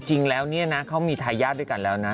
จริงแล้วเขามีทายาทด้วยกันแล้วนะ